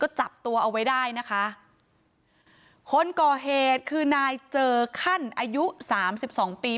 จับตัวเอาไว้ได้นะคะคนก่อเหตุคือนายเจอขั้นอายุสามสิบสองปี